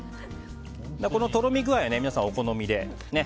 このとろみ具合は皆さんお好みで。